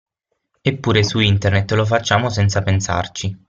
Eppure su internet lo facciamo senza pensarci!